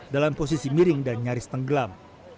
dalam posisi miring dan nyaris tenggelam